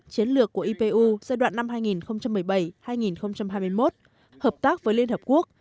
chiến lược của ipu giai đoạn năm hai nghìn một mươi bảy hai nghìn hai mươi một hợp tác với liên hợp quốc